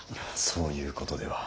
そういうことでは。